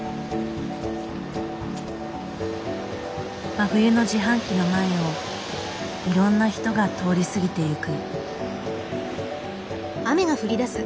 真冬の自販機の前をいろんな人が通り過ぎていく。